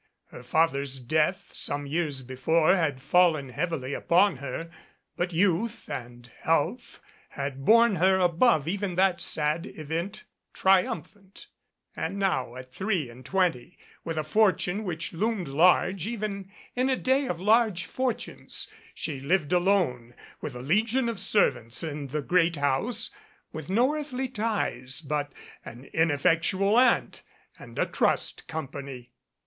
Her father's death, some years before, had fallen heavily upon her, but youth and health had borne her above even that sad event triumphant, and now at three and twenty, with a fortune which loomed large even in a day of large fortunes, she lived alone with a legion of servants in the great house, with no earthly ties but an ineffectual aunt and a Trust Company.